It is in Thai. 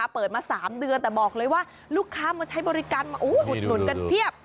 เปิดมา๓เดือนแต่บอกเลยว่าลูกค้ามาใช้บริการมาอุดหนุนกันเพียบ